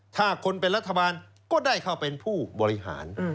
ถ้าคนเป็นรัฐบาลก็ได้เข้าเป็นผู้บริหาร